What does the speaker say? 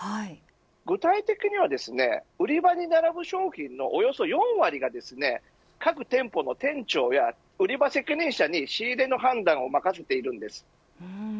具体的には、売り場に並ぶ商品のおよそ４割が各店舗の店長や売り場責任者に仕入れの判断を任せています。